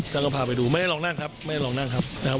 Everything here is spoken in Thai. เราพาไปดูไม่ได้ลองนั่งครับไม่ได้ลองนั่งครับนะครับ